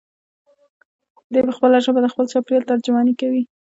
دی په خپله ژبه د خپل چاپېریال ترجماني کوي.